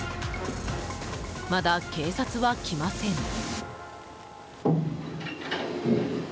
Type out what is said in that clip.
まだ警察は来ません。